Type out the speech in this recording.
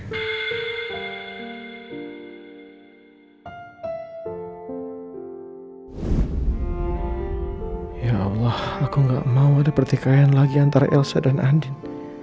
ya allah aku gak mau ada pertikaian lagi antara elsa dan andin